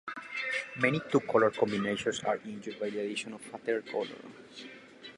Many two-color combinations are injured by the addition of a third color.